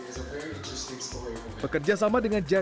jadi coworking space ini menjadi perusahaan yang sangat menarik